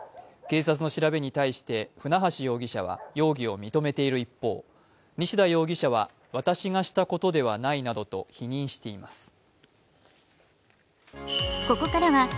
警察の調べに対して船橋容疑者は容疑を認めている一方、西田容疑者は、私がしたことではないなどと否認しています。